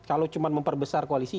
kalau cuma memperbesar koalisi